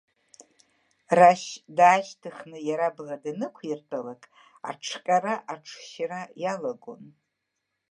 Рашь даашьҭыхны иара абӷа данықәиртәалак, аҽҟьара аҽшьра иалагон.